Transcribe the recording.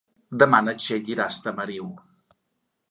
Demà na Txell irà a Estamariu.